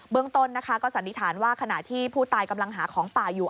เมืองต้นนะคะก็สันนิษฐานว่าขณะที่ผู้ตายกำลังหาของป่าอยู่